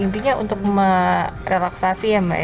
intinya untuk merelaksasi ya mbak ya